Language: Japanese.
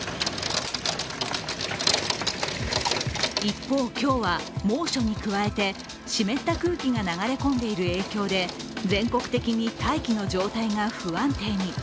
一方、今日は猛暑に加えて湿った空気が流れ込んでいる影響で全国的に大気の状態が不安定に。